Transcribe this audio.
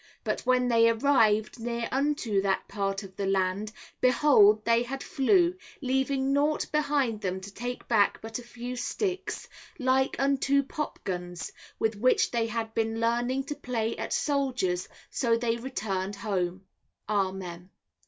But when they arrived near unto that part of the land, behold, they had flew, leaving nought behind them to take back but a few sticks, like unto popguns, with which they had been learning to play at soldiers, so they returned home. Amen.